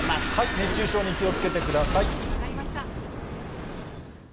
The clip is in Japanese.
熱中症に気をつけてください。